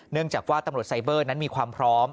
เนื่องจากว่าตำรวจไซเบอร์นั้นมีความพร้อม